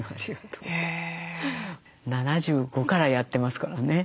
７５からやってますからね。